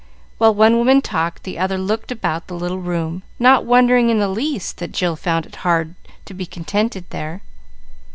While one woman talked, the other looked about the little room, not wondering in the least that Jill found it hard to be contented there.